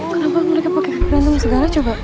kenapa mereka pakai kaki berantem segala coba